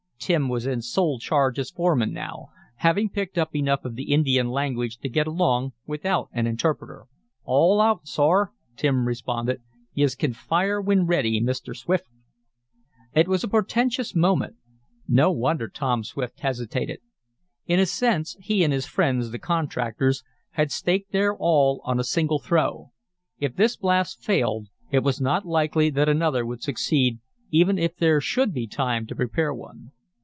Tim was in sole charge as foreman now, having picked up enough of the Indian language to get along without an interpreter. "All out, sor," Tim responded. "Yez kin fire whin ready, Mr. Swift." It was a portentous moment. No wonder Tom Swift hesitated. In a sense he and his friends, the contractors, had staked their all on a single throw. If this blast failed it was not likely that another would succeed, even if there should be time to prepare one.